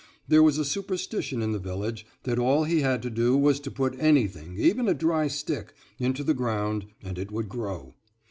There was a superstition in the village that all he had to do was to put anything, even a dry stick, into the ground, and it would grow.